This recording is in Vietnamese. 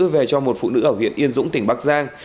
về cho một phụ nữ ở huyện yên dũng tỉnh bắc giang